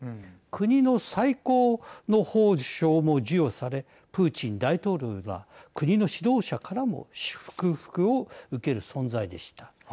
国の最高の褒章も授与されプーチン大統領ら国の指導者からも祝福を受ける存在でした。